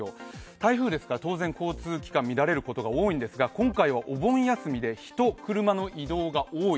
台風ですから当然、交通機関が乱れること多いんですが今回はお盆休みで人、車の移動が多い。